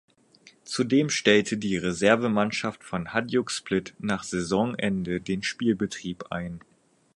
Zudem stellte die Reservemannschaft von Hajduk Split nach Saisonende den Spielbetrieb ein.